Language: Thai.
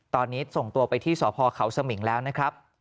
ตอนนี้ส่งตัวไปที่สพเขาสมิงแล้วนะครับ